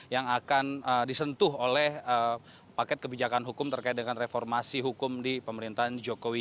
yang akan disentuh oleh paket kebijakan hukum terkait dengan reformasi hukum di pemerintahan jokowi